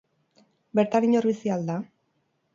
Bertan inor bizi al da?